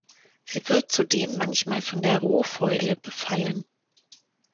Sie wird zudem manchmal von der Rohfäule befallen.